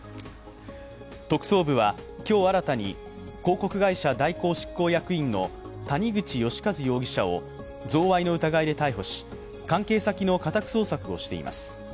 特捜部は今日新たに広告会社・大広執行役員の谷口義一容疑者を贈賄の疑いで逮捕し関係先の家宅捜索をしています。